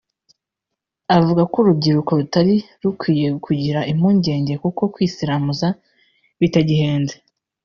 avuga ko uru rubyiruko rutari rukwiye kugira impungenge kuko kwisiramuza bitagihenze